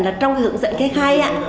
là trong hướng dẫn cách hai ạ